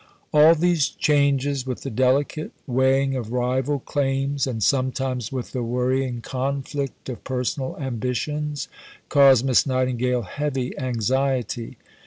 All these changes, with the delicate weighing of rival claims and sometimes with the worrying conflict of personal ambitions, caused Miss Nightingale heavy anxiety.